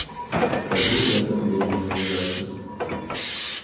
Разлука эта для нее ужасна.